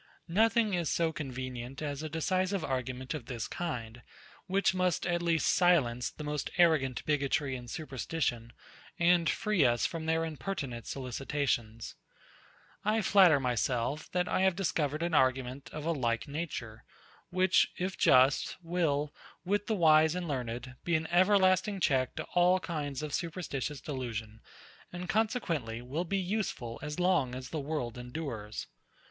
Nothing is so convenient as a decisive argument of this kind, which must at least silence the most arrogant bigotry and superstition, and free us from their impertinent solicitations. I flatter myself, that I have discovered an argument of a like nature, which, if just, will, with the wise and learned, be an everlasting check to all kinds of superstitious delusion, and consequently, will be useful as long as the world endures.